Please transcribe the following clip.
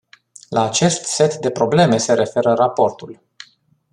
La acest set de probleme se referă raportul.